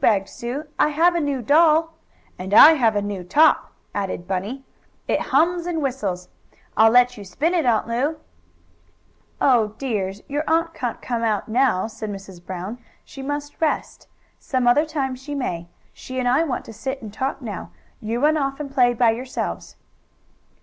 begged Sue. "I have a new doll." "And I have a new top," added Bunny. "It hums and whistles. I'll let you spin it, Aunt Lu." "Oh, dears, your aunt can't come out now," said Mrs. Brown. "She must rest. Some other time she may. She and I want to sit and talk now. You run off and play by yourselves."